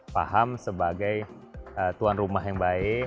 paham sebagai tuan rumah yang baik